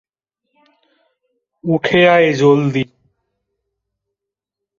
উঠে আয়, জলদি।